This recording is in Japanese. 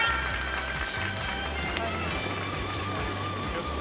よし。